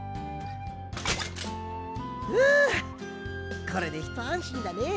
ふうこれでひとあんしんだね。